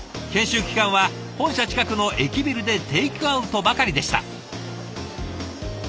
研修期間は本社近くの駅ビルでテイクアウトばかりでした。